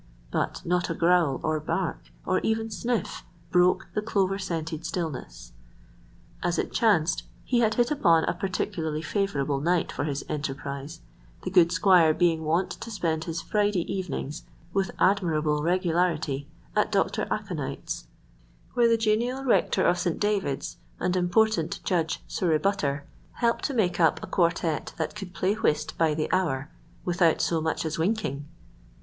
But not a growl, or bark, or even sniff, broke the clover scented stillness. As it chanced, he had hit upon a particularly favourable night for his enterprise, the good squire being wont to spend his Friday evenings with admirable regularity at Doctor Aconite's, where the genial rector of St. David's and important Judge Surrebutter helped to make up a quartette that could play whist by the hour without so much as winking.